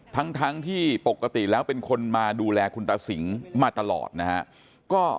ทั้งที่ปกติแล้วเป็นคนมาดูแลคุณตาสิงมาตลอดนะฮะ